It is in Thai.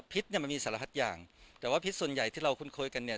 เนี่ยมันมีสารพัดอย่างแต่ว่าพิษส่วนใหญ่ที่เราคุ้นเคยกันเนี่ย